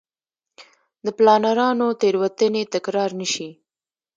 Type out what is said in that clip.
د پلانرانو تېروتنې تکرار نه شي.